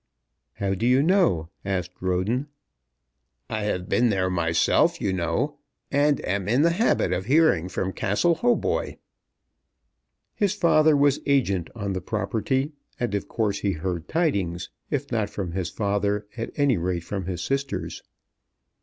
"How do you know?" asked Roden. "I have been there myself, you know; and am in the habit of hearing from Castle Hautboy." His father was agent on the property, and of course he heard tidings, if not from his father, at any rate from his sisters.